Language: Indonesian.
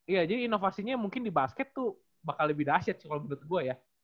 iya jadi inovasinya mungkin di basket tuh bakal lebih dahsyat sih kalau menurut gue ya